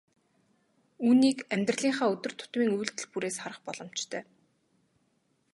Үүнийг амьдралынхаа өдөр тутмын үйлдэл бүрээс харах боломжтой.